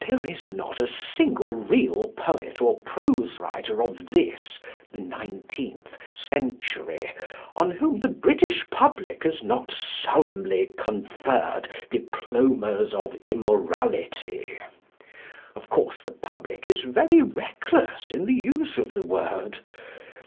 There is not a single real poet or prose writer of this (the nineteenth) century on whom the British public has not solemnly conferred diplomas of immorality.... Of course, the public is very reckless in the use of the word....